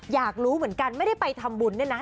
อยากรู้เหมือนกันไม่ได้ไปทำบุญเนี่ยนะ